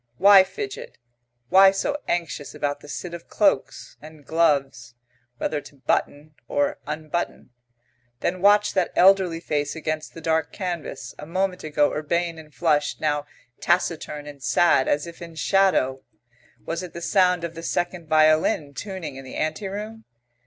Why fidget? Why so anxious about the sit of cloaks; and gloves whether to button or unbutton? Then watch that elderly face against the dark canvas, a moment ago urbane and flushed; now taciturn and sad, as if in shadow. Was it the sound of the second violin tuning in the ante room?